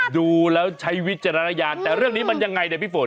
ดูแล้วใช้วิจารณญาณแต่เรื่องนี้มันยังไงเนี่ยพี่ฝน